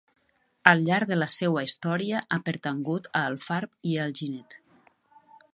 Al llarg de la seua història ha pertangut a Alfarb i a Alginet.